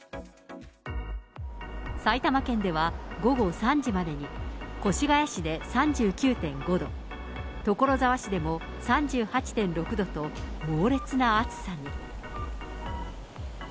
埼玉県では午後３時までに越谷市で３９．５度、所沢市でも３８．６度と、猛烈な暑さに。